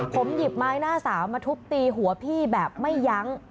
ผมหยิบไม้หน้าสาวมาทุบตีหัวพี่แบบไม่ยั้ง